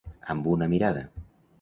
Amb una mirada.